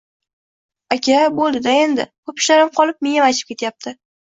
Aka, bo`ldi-da endi, ko`p ishlarim qolib, miyam achib ketayapti